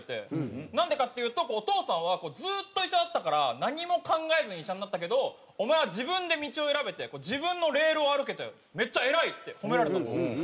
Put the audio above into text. なんでかっていうとお父さんはずっと医者だったから何も考えずに医者になったけどお前は自分で道を選べて自分のレールを歩けてめっちゃ偉いって褒められたんですよ。